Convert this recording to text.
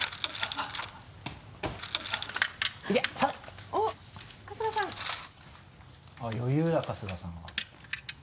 あっ余裕だ春日さんは。